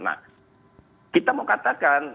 nah kita mau katakan